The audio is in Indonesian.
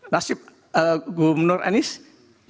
nasib gubernur anies